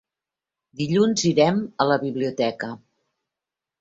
Dilluns irem a la biblioteca.